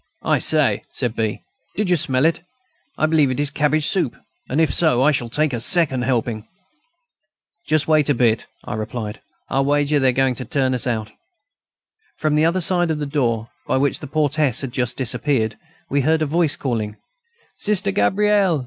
"I say!" said B., "did you smell it? I believe it is cabbage soup, and if so, I shall take a second helping." "Just wait a bit," I replied; "I'll wager they are going to turn us out." From the other side of the door, by which the portress had just disappeared, we heard a voice calling: "Sister Gabrielle!...